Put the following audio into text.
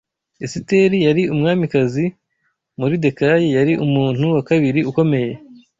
Esiteri yari umwamikazi Moridekayi yari umuntu wa kabiri ukomeye